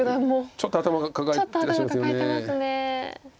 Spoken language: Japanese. ちょっと頭抱えてらっしゃいますよね。